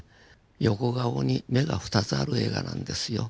横顔に目が２つある映画なんですよ。